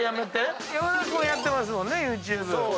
山田君はやってますもんねＹｏｕＴｕｂｅ。